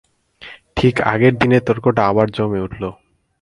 ঠিক আগের দিনের তর্কটা আবার জমে উঠল।